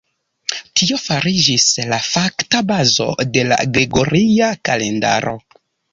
Tio fariĝis la fakta bazo de la gregoria kalendaro.